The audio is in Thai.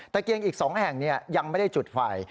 เกียงอีก๒แห่งยังไม่ได้จุดไฟ